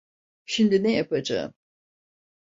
Şimdi ne yapacağım?